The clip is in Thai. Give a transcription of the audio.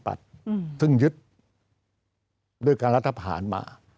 อธิบัติซึ่งยึดด้วยการรัฐผ่านมา